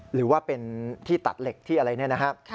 หรือว่าเป็นที่ตัดเหล็กที่อะไรเนี่ยนะครับ